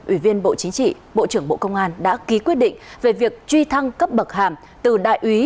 ủy viên bộ chính trị bộ trưởng bộ công an đã ký quyết định về việc truy thăng cấp bậc hàm từ đại úy